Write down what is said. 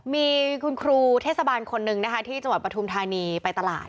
มีคุณครูเทศบาลคนหนึ่งนะคะที่จังหวัดปฐุมธานีไปตลาด